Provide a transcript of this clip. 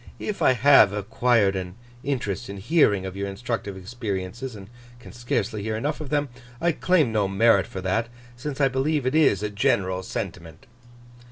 If I have acquired an interest in hearing of your instructive experiences, and can scarcely hear enough of them, I claim no merit for that, since I believe it is a general sentiment.